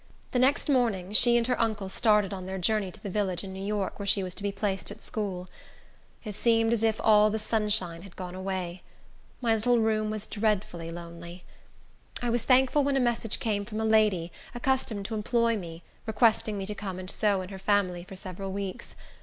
The next morning, she and her uncle started on their journey to the village in New York, where she was to be placed at school. It seemed as if all the sunshine had gone away. My little room was dreadfully lonely. I was thankful when a message came from a lady, accustomed to employ me, requesting me to come and sew in her family for several weeks.